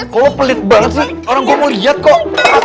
kalo pelit banget sih orang gue mau liat kok